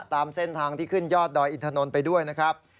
ตามเส้นทางที่ขึ้นยอดดอยอินทนนท์ไปด้วยนะครับ